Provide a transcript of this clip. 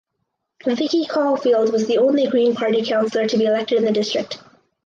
Vicky Caulfield was the only Green Party Councillor to be elected in the district.